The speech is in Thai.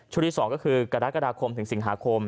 ช่วงที่สองก็คือกรกฎาคมถึงสิงหาคม